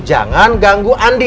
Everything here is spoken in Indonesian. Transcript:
jangan ganggu andin